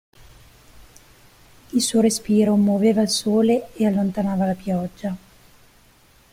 Il suo respiro muoveva il sole ed allontanava la pioggia.